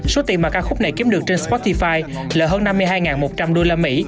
số tiền mà ca khúc này kiếm được trên sportify là hơn năm mươi hai một trăm linh usd